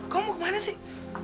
kamu kemana sih